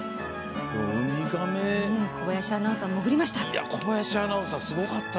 小林アナウンサー潜りました。